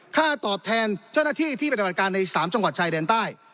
ตอบแทนเจ้าหน้าที่ที่ปฏิบัติการใน๓จังหวัดชายแดนใต้